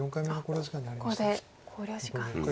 ここで考慮時間ですね。